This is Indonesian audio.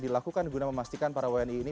dilakukan guna memastikan para wni ini